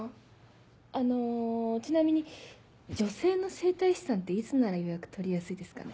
あのちなみに女性の整体師さんっていつなら予約取りやすいですかね？